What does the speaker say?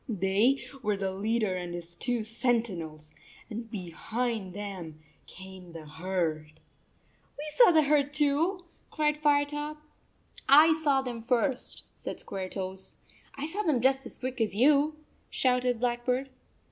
They were the leader and his two sentinels, and behind them came the herd." "We saw the herd, too," cried Firetop. "I saw them first," said Squaretoes. "I saw them just as quick as you," shouted Blackbird.